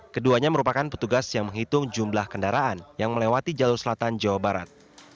keduanya merupakan petugas yang menghitung jumlah kendaraan yang melewati jalur selatan jawa barat